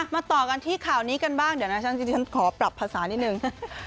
มาต่อกันที่ข่าวนี้กันบ้างเดี๋ยวนะฉันขอปรับภาษานิดนึง